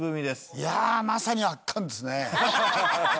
いやあまさに圧巻ですね。